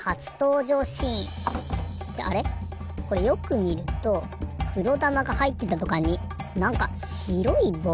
これよくみるとくろだまがはいってたどかんになんかしろいぼうくっついてますね。